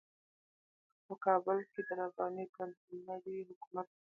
که په کابل کې د رباني کانتينري حکومت.